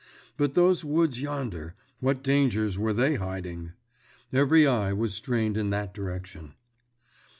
But those woods yonder—what dangers were they hiding? Every eye was strained in that direction.